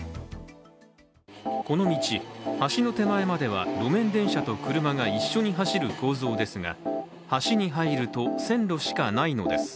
この道、橋の手前までは路面電車と車が一緒に走る構造ですが橋に入ると線路しかないのです。